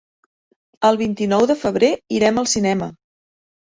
El vint-i-nou de febrer irem al cinema.